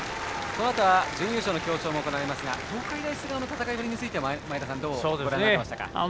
準優勝の表彰もありますが東海大菅生の戦いについては前田さんはどうご覧になりましたか？